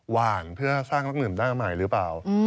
ว่างเพื่อสร้างนักดื่มหน้าใหม่หรือเปล่า